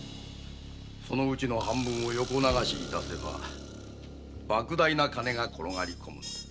そのうちの半分を横流し致せば莫大な金が転がりこむ。